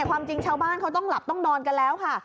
ความจริงชาวบ้านเขาต้องหลับต้องนอนกันแล้วค่ะ